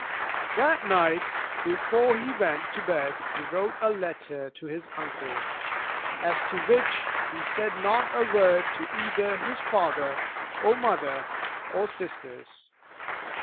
That night before he went to bed he wrote a letter to his uncle, as to which he said not a word to either his father, or mother, or sisters.